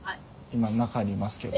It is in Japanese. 今中にいますけど。